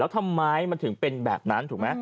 ทำไมมันถึงเป็นแบบนั้นถูกไหม